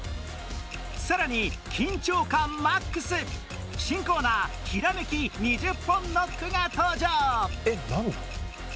さらに緊張感マックス新コーナーひらめき２０本ノックが登場